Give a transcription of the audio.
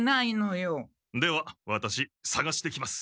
ではワタシさがしてきます。